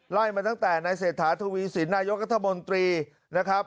ไล่มาตั้งแต่ในเศรษฐาทวีสินนายกัธมนตรีนะครับ